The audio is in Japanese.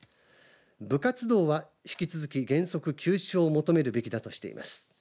部活動は引き続き原則、休止を求めるべきだとしています。